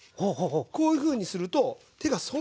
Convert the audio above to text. こういうふうにすると手がそんなに汚れないんです。